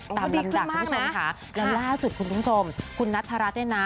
ตามนี้จ้ะคุณผู้ชมค่ะแล้วล่าสุดคุณผู้ชมคุณนัทธรัฐเนี่ยนะ